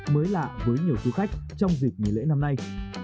mới lạ với nhiều du khách trong dịp nghỉ lễ năm nay